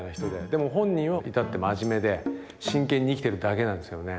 でも本人は至って真面目で真剣に生きてるだけなんですよね。